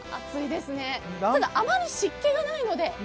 ただあまり湿気がないので。